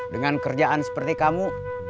dengan kerjaan seperti kamu